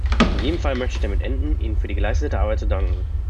In jedem Fall möchte ich damit enden, Ihnen für die geleistete Arbeit zu danken.